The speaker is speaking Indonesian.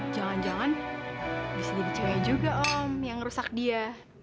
jangan jangan bisa dikecewa juga om yang ngerusak dia